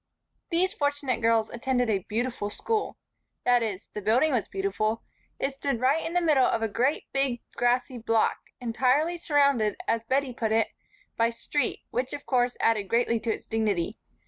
These fortunate girls attended a beautiful school. That is, the building was beautiful. It stood right in the middle of a great big grassy block, entirely surrounded, as Bettie put it, by street, which of course added greatly to its dignity.